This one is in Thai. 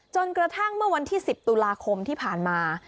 จนกระทั่งเมื่อวันที่๑๐ตุลาคมที่ผ่านมา